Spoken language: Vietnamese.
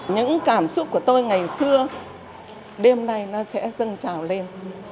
những cảm xúc của tôi ngày xưa đêm nay nó sẽ dâng trào lên